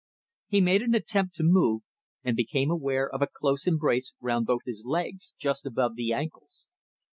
He made an attempt to move, and became aware of a close embrace round both his legs, just above the ankles.